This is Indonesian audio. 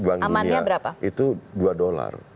amannya berapa itu dua dolar